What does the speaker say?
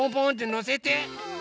のせて。